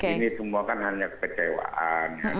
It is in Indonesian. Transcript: ini semua kan hanya kekecewaan